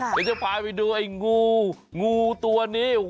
เดี๋ยวจะพาไปดูไอ้งูงูตัวนี้